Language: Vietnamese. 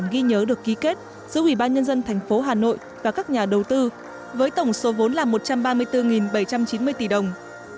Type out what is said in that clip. giữa ubnd tp hà nội và các nhà đầu tư với tổng số vốn là một trăm ba mươi bốn bảy trăm chín mươi tỷ đồng